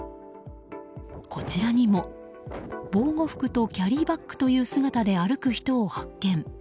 こちらにも防護服とキャリーバッグという姿で歩く人を発見。